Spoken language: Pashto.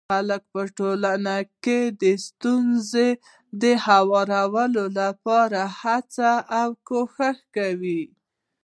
خلک په ټولنه کي د ستونزو د هواري لپاره هڅه او کوښښ کوي.